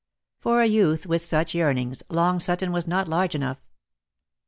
For a youth with such yearnings, Long Sutton was not large enough.